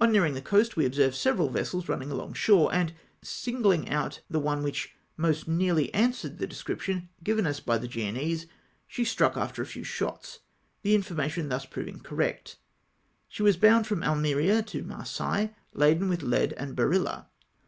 On Hearing the coast, we observed several vessels running along shore, and singling out the one which most nearly answered the description given us by the Genoese, she struck after a few shots ; the information thus proving correct. She was bound from Almeria to Marseilles, laden with lead and barilla.